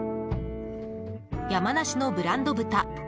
山梨のブランド豚